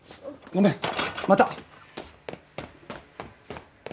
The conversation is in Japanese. ごめんまた！